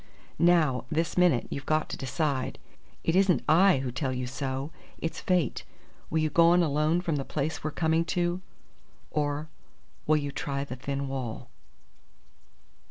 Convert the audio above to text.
"Now, this minute, you've got to decide. It isn't I who tell you so. It's fate. Will you go on alone from the place we're coming to, or will you try the thin wall?"